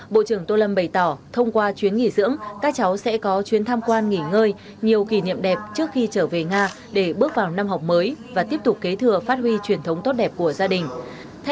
bộ trưởng tô lâm bày tỏ thông qua chuyến nghỉ dưỡng các cháu sẽ có chuyến tham quan nghỉ ngơi nhiều kỷ niệm đẹp trước khi trở về nga để bước vào năm học mới và tiếp tục kế thừa phát huy truyền thống tốt đẹp của gia đình